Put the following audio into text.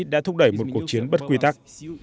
đã thúc đẩy một cuộc chiến bất quy tắc